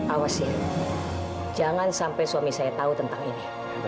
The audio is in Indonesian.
awas ya jangan sampai suami saya tahu tentang ini